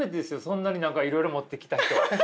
そんなに何かいろいろ持ってきた人。